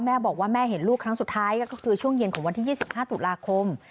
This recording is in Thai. แม่บอกว่าแม่เห็นลูกครั้งสุดท้ายก็คือช่วงเย็นของวันที่๒๕ตุลาคม